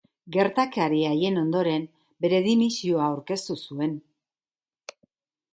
Gertakari haien ondoren, bere dimisioa aurkeztu zuen.